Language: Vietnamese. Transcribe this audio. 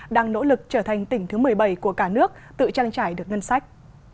đang nỗ lực trở thành tỉnh thứ một mươi bảy của cả nước tự trang trải được ngân sách